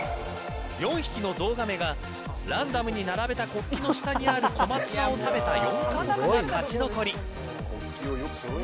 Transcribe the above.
４匹のゾウガメがランダムに並べた国旗の下にある小松菜を食べた４チームが勝ち残り。